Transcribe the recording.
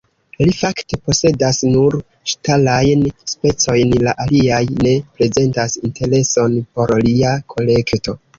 Li fakte posedas nur ŝtalajn specojn, la aliaj ne prezentas intereson por lia kolekto.